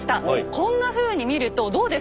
こんなふうに見るとどうです？